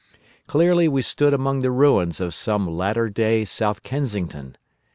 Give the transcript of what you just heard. "Clearly we stood among the ruins of some latter day South Kensington!